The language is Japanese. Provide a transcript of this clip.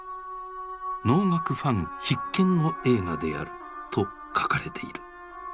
「能楽ファン必見の映画である」と書かれている。